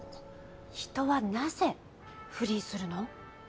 人はなぜ不倫するの？